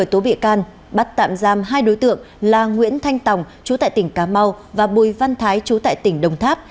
tố bị can bắt tạm giam hai đối tượng là nguyễn thanh tòng chú tại tỉnh cà mau và bùi văn thái chú tại tỉnh đồng tháp